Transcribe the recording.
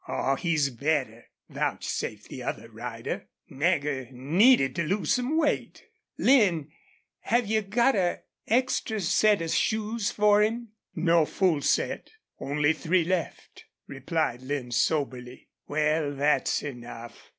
"Aw, he's better," vouchsafed the other rider. "Nagger needed to lose some weight. Lin, have you got an extra set of shoes for him?" "No full set. Only three left," replied Lin, soberly. "Wal, thet's enough.